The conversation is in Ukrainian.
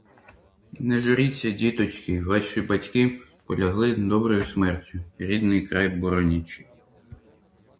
Не журіться, діточки, — ваші батьки полягли доброю смертю, рідний край боронячи.